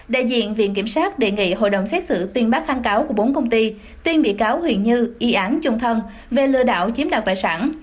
đại diện viện kiểm sát đề nghị hội đồng xét xử tuyên bác kháng cáo của bốn công ty tuyên bị cáo huỳnh như y án chung thân về lừa đảo chiếm đoạt tài sản